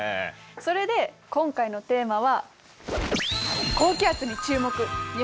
それで今回のテーマは。